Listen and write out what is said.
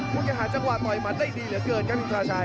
คุณจะหาจังหวะต่อยหมัดได้ดีเหลือเกินครับอินทราชัย